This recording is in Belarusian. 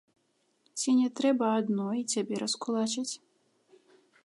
Ці не трэба адно і цябе раскулачыць?